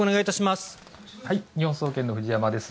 日本総研の藤山です。